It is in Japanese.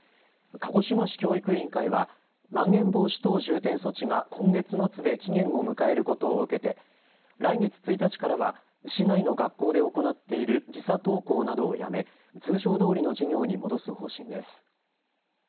鹿児島市教育委員会はまん延防止等重点措置が今月末で期限を迎えることを受けて来月１日からは市内の学校で行っている時差登校などをやめ通常どおりの授業に戻す方針です。